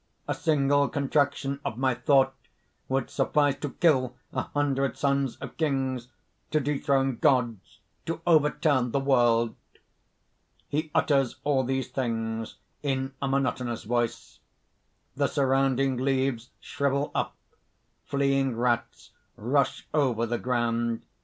A single contraction of my thought would suffice to kill a hundred sons of kings, to dethrone gods, to overturn the world." (He utters all these things in a monotonous voice. _The surrounding leaves shrivel up. Fleeing rats rush over the ground.